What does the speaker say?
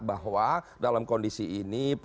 bahwa dalam kondisi ini